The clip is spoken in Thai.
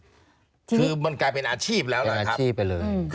คือมันกลายเป็นอาชีพแล้วหลายอาชีพไปเลย